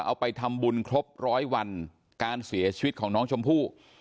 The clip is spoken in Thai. เอาไปทำบุญครบร้อยวันการเสียชีวิตของน้องชมพู่